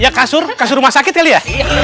ya kasur kasur rumah sakit kali ya